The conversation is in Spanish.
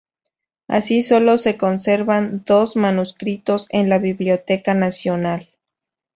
Así solo se conservan dos manuscritos en la Biblioteca Nacional.